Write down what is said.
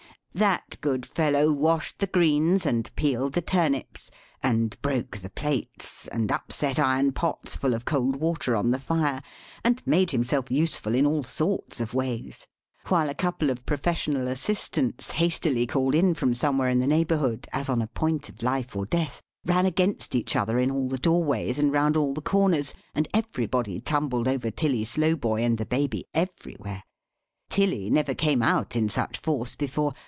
That good fellow washed the greens, and peeled the turnips, and broke the plates, and upset iron pots full of cold water on the fire, and made himself useful in all sorts of ways: while a couple of professional assistants, hastily called in from somewhere in the neighbourhood, as on a point of life or death, ran against each other in all the doorways and round all the corners; and everybody tumbled over Tilly Slowboy and the Baby, everywhere. Tilly never came out in such force before.